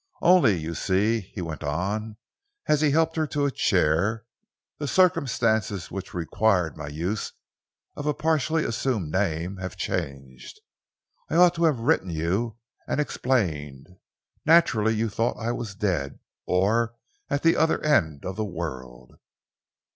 Only, you see," he went on, as he helped her to a chair, "the circumstances which required my use of a partially assumed name have changed. I ought to have written you and explained. Naturally you thought I was dead, or at the other end of the world."